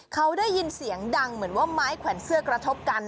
เขาได้ยินเสียงดังเหมือนว่าไม้แขวนเสื้อกระทบกัน